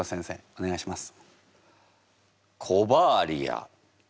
お願いします。